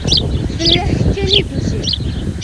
Fell-ak kan i d-usiɣ.